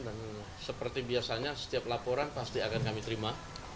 dan seperti biasanya setiap laporan pasti akan kami terima